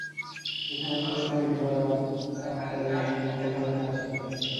এখানে প্রশ্ন হইতে পারে, আত্মার এই বন্ধন কোথা হইতে আসিল।